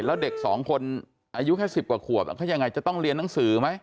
แล้วเด็กสองคนอายุแค่๑๐กว่าขวบเขายังไงจะต้องเรียนหนังสือไหม